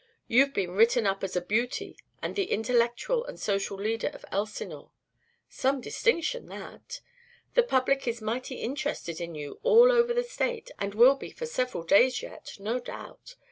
You've been written up as a beauty and the intellectual and social leader of Elsinore. Some distinction, that! The public is mighty interested in you all over the State and will be for several days yet, no doubt.